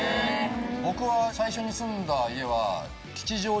僕は最初に住んだ家は。